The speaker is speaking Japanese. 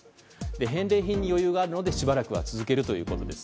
返礼品に余裕があるのでしばらくは続けるということです。